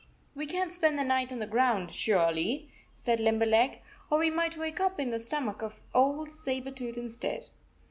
" We can t spend the night on the ground surely," said Limberleg. "Or we might wake up in the stomach of old Saber tooth instead."